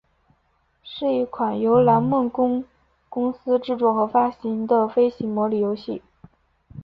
是一款由南梦宫公司制作和发行的飞行模拟游戏。